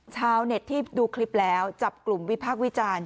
ชาวเน็ตที่ดูคลิปแล้วจับกลุ่มวิพากษ์วิจารณ์